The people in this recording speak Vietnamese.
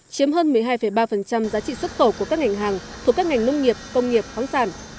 chiếm hơn một mươi hai ba giá trị xuất khẩu của các ngành hàng thuộc các ngành nông nghiệp công nghiệp khoáng sản